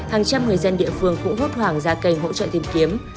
hàng trăm người dân địa phương cũng hốt hoảng ra kênh hỗ trợ tìm kiếm